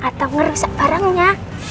atau ngerusak barangnya